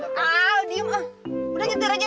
udah nyetir aja yang bener